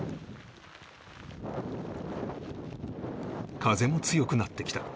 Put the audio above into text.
風も強くなってきた